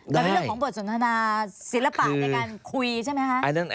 แต่เป็นเรื่องของบทสนทนาศิลปะในการคุยใช่ไหมคะ